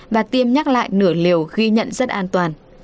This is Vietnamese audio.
và tiêm nhắc lại nửa liều ghi nhận rất an toàn